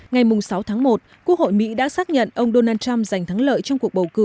ngày sáu tháng một quốc hội mỹ đã xác nhận ông donald trump giành thắng lợi trong cuộc bầu cử